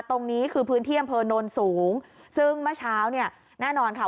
ตรงนี้คือพื้นที่อำเภอโนนสูงซึ่งเมื่อเช้าเนี่ยแน่นอนค่ะ